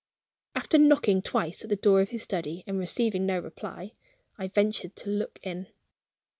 After knocking twice at the door of the study, and receiving no reply, I ventured to look in.